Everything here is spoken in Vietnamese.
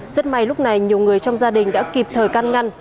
rất may lúc này nhiều người trong gia đình đã kịp thời can ngăn